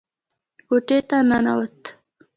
کوټې ته ننوت.